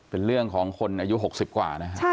เป็นเรื่องของคนอายุ๖๐กว่านะฮะ